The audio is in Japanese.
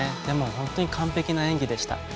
でも、本当に完璧な演技でした。